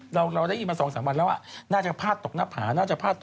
เราได้ยินมา๒๓วันแล้วน่าจะพลาดตกหน้าผา